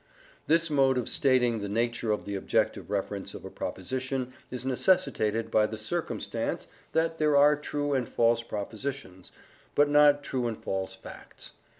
This mode of stating the nature of the objective reference of a proposition is necessitated by the circumstance that there are true and false propositions, but not true and false facts.